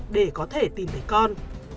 để có thể tìm thấy con